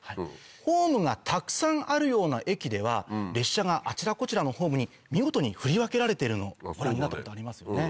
ホームがたくさんあるような駅では列車があちらこちらのホームに見事に振り分けられてるのをご覧になったことありますよね。